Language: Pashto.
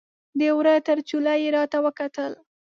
د وره تر چوله یې راته وکتل